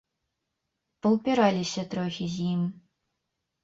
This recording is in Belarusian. Паўпіраліся трохі з ім.